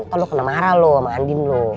atau lo kena marah lo sama andi lo